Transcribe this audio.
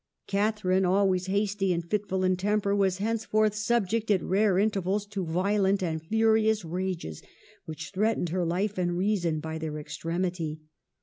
Catharine, always hasty and fitful in temper, was henceforth subject at rare intervals to violent and furious rages, which threatened her life and reason by their extrem ity.